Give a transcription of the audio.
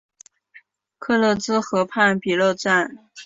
克勒兹河畔比索站。